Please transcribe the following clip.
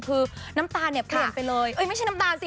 คือน้ำตาลเนี่ยเปลี่ยนไปเลยไม่ใช่น้ำตาลสิ